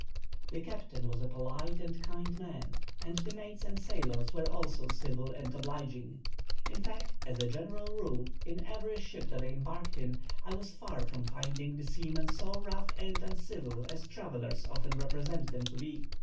The captain was a polite and kind man, and the mates and sailors were also civil and obliging. In fact, as a general rule, in every ship that I embarked in, I was far from finding seamen so rough and uncivil as travellers often represent them to be.